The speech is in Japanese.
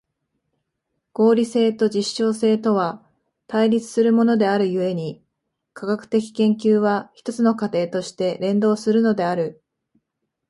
合理性と実証性とは対立するものである故に、科学的研究は一つの過程として運動するのである。